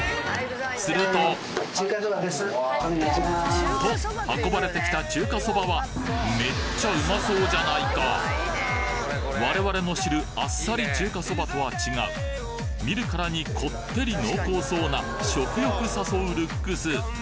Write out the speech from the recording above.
するとと運ばれてきた中華そばはめっちゃうまそうじゃないか我々の知るあっさり中華そばとは違う見るからにこってり濃厚そうな食欲誘うルックス